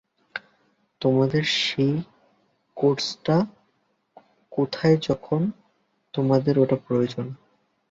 তোমার সেই কার্সটা কোথায় যখন আমাদের ওটা প্রয়োজন?